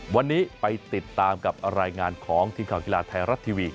วันนี้ไปติดตามกับรายงานของทีมข่าวกีฬาไทยรัฐทีวี